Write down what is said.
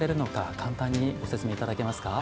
簡単にご説明いただけますか？